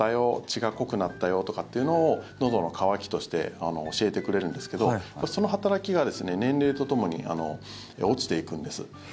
血が濃くなったよとかいうのをのどの渇きとして教えてくれるんですけどその働きが年齢とともに落ちていくんです。